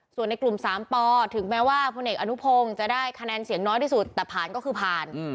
ส่วนในกลุ่ม๓ปถึงแม้ว่าพลเอกอนุพงศ์จะได้คะแนนเสียงน้อยที่สุดแต่ผ่านก็คือผ่าน